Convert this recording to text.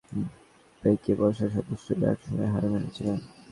তাঁর ইচ্ছার কাছে যৌথ পরিবারের বেঁকে বসা সদস্যরাও একসময় হার মেনেছিলেন।